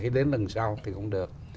đến lần sau thì cũng được